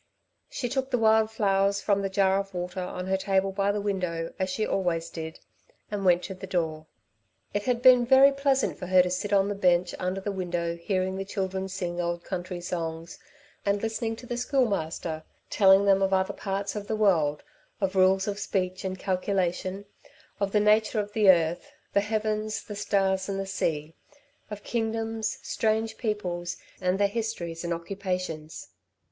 She took the wild flowers from the jar of water on her table by the window, as she always did, and went to the door. It had been very pleasant for her to sit on the bench under the window, hearing the children sing old country songs, and listening to the Schoolmaster telling them of other parts of the world, of rules of speech and calculation, of the nature of the earth, the heavens, the stars and the sea, of kingdoms, strange peoples, and their histories and occupations.